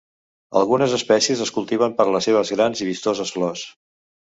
Algunes espècies es cultiven per les seves grans i vistoses flors.